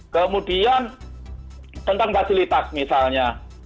kemudian tentang fasilitas misalnya